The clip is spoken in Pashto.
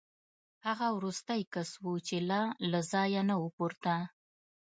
هغه وروستی کس و چې لا له ځایه نه و پورته